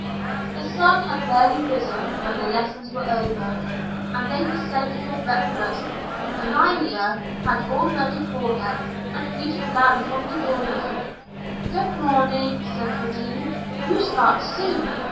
The sun had barely risen when the lesson was over, and they descended for breakfast. Amalia had all ready for them, and greeted Larry from the doorway. "Good morning, Sir Kildene. You start soon.